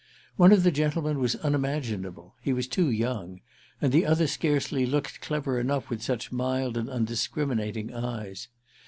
One of the gentlemen was unimaginable—he was too young; and the other scarcely looked clever enough, with such mild undiscriminating eyes.